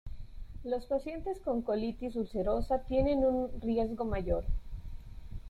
Los pacientes con colitis ulcerosa tienen un riesgo mayor.